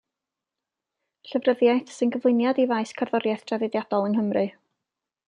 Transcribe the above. Llyfryddiaeth sy'n gyflwyniad i faes cerddoriaeth draddodiadol yng Nghymru.